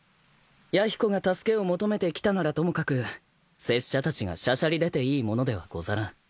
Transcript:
弥彦が助けを求めてきたならともかく拙者たちがしゃしゃり出ていいものではござらん。